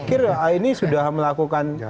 kir ini sudah melakukan